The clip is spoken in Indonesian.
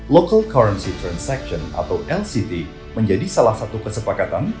local currency transaction atau lct menjadi salah satu kesepakatan